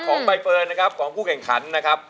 ใบเฟิร์นนะครับของผู้แข่งขันนะครับ